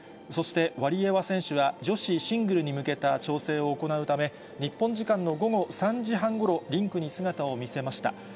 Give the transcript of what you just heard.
そして、ワリエワ選手は女子シングルに向けた調整を行うため、日本時間の午後３時半ごろ、リンクに姿を見せました。